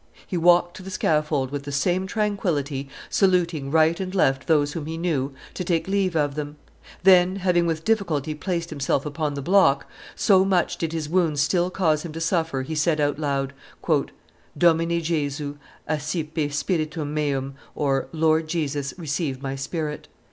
He walked to the scaffold with the same tranquillity, saluting right and left those whom he knew, to take leave of them; then, having with difficulty placed himself upon the block, so much did his wounds still cause him to suffer, he said out loud, "_Domine Jesu, accipe spiritum meum (Lord Jesus, receive my spirit)!